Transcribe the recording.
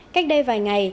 cách đây vài ngày